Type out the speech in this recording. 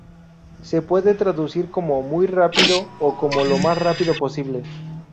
Se puede traducir como "muy rápido" o como "lo más rápido posible".